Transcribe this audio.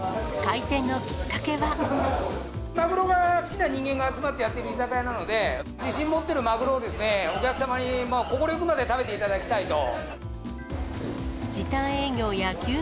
マグロが好きな人間が集まってやっている居酒屋なので、自信持ってるマグロを、お客様に心ゆくまで食べていただきたいと。